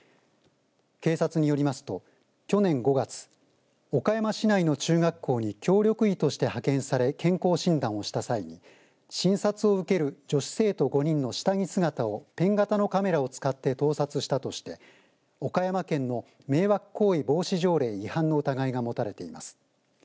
警察によりますと去年５月、岡山市内の中学校に協力医として派遣され健康診断をした際に診察を受ける女子生徒５人の下着姿をペン型のカメラを使って盗撮したとして岡山県の迷惑行為防止条例違反の疑いが持たれています。